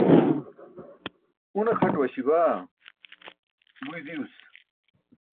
une xaṭ waśi baa guyi diyuus